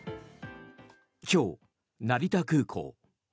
今日、成田空港。